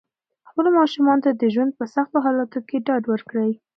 خپلو ماشومانو ته د ژوند په سختو حالاتو کې ډاډ ورکړئ.